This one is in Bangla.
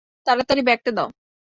তাড়াতাড়ি ব্যাগ টা দাও।